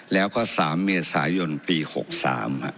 แล้วก็๓เมษายนปี๖๓